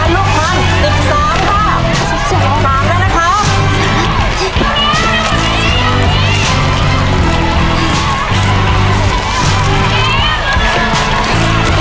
สิบสี่แล้วนะครับอีกสามถูกแล้วฮะสิบห้าแล้วครับยาย